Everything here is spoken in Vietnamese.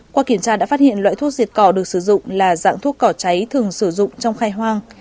qua kiểm tra đã phát hiện loại thuốc diệt cỏ được sử dụng là dạng thuốc cỏ cháy thường sử dụng trong khai hoang